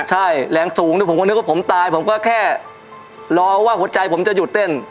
ใช่แรงสูงผมก็นึกว่าผมตายผมก็แค่รอว่าหัวใจผมจะหยุดเต้น